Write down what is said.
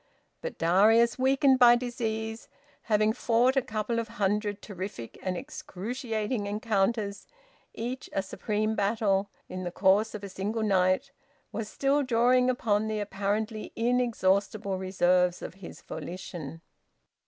But Darius, weakened by disease, having fought a couple of hundred terrific and excruciating encounters, each a supreme battle, in the course of a single night, was still drawing upon the apparently inexhaustible reserves of his volition.